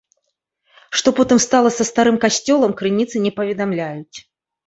Што потым стала со старым касцёлам, крыніцы не паведамляюць.